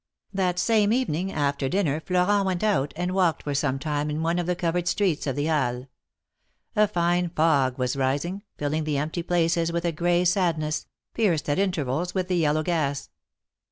That same evening after dinner Florent went out, and walked for some time in one of the covered streets of the Halles. A fine fog was rising, filling the empty places with a gray sadness, pierced at intervals with the yellow gas.